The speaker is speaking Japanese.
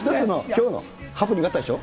きょうもハプニングあったでしょ。